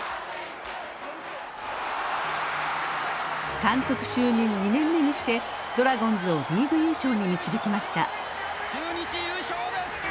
監督就任２年目にしてドラゴンズをリーグ優勝に導きました。